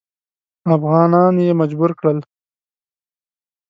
افغانان یې مجبور کړل.